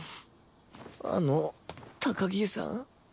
あの高木さん